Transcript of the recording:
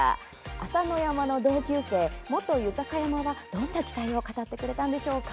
朝乃山の同級生元豊山は、どんな期待を語ってくれたのでしょうか。